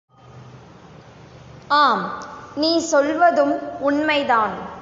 ஆம், நீ சொல்வதும் உண்மைதான்.